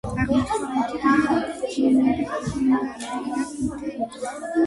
აღმოსავლეთით ებჯინება წმინდა ილიას მთებს.